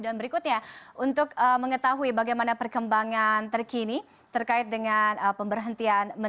dan berikutnya untuk mengetahui bagaimana perkembangan terkini terkait dengan penggabungan politik dan penggabungan politik